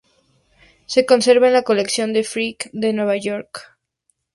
Se conserva en la Colección Frick de Nueva York.